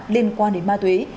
liên quan đến ma túy